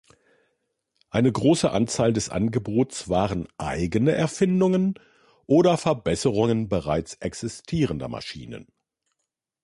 Eine große Anzahl des Angebots waren eigene Erfindungen oder Verbesserungen bereits existierender Maschinen.